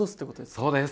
そうです。